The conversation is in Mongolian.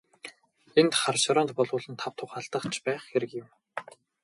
Энд хар шороонд булуулан тав тух алдаж байх хэрэг юун.